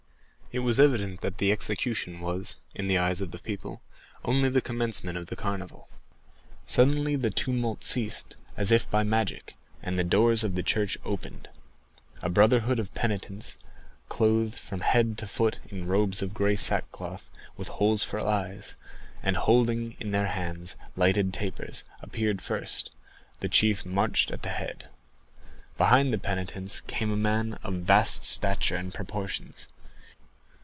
It was evident that the execution was, in the eyes of the people, only the commencement of the Carnival. Suddenly the tumult ceased, as if by magic, and the doors of the church opened. A brotherhood of penitents, clothed from head to foot in robes of gray sackcloth, with holes for the eyes, and holding in their hands lighted tapers, appeared first; the chief marched at the head. 20169m Behind the penitents came a man of vast stature and proportions.